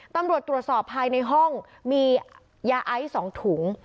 ตำรวจตรวจสอบภายในห้องมียาไอซ์๒ถุง